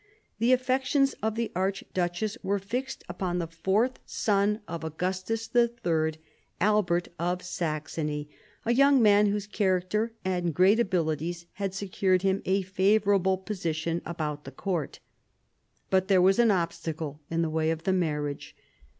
The affections of the Archduchess were fixed upon the fourth son of Augustus III, Albert of Saxony, a young man whose character and great abilities had secured him a favourable position about the court. But there was an obstacle in the way of the marriage.